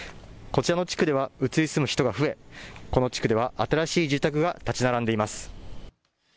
こちらの地区では移り住む人が増えこの地区では新しい住宅が建ち並んでいます。